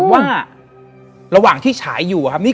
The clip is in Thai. มันผี